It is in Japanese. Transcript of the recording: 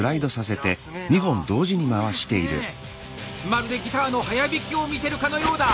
まるでギターの速弾きを見てるかのようだ！